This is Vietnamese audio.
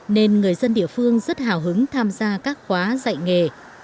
nên người dân địa phương rất hào hứng tham gia các khóa dạy nghề